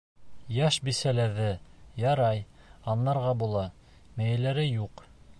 Йәш бисәләрҙе, ярай, аңларға була, мейеләре юҡ.